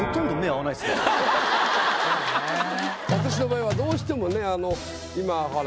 私の場合はどうしてもね今ほら。